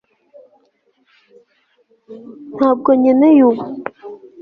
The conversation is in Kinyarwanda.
ntabwo nkeneye ubu